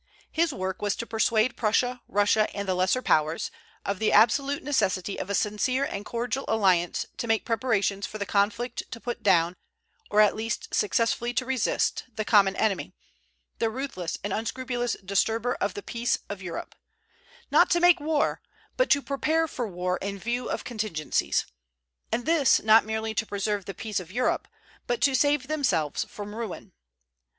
His work was to persuade Prussia, Russia, and the lesser Powers, of the absolute necessity of a sincere and cordial alliance to make preparations for the conflict to put down, or at least successfully to resist, the common enemy, the ruthless and unscrupulous disturber of the peace of Europe; not to make war, but to prepare for war in view of contingencies; and this not merely to preserve the peace of Europe, but to save themselves from ruin.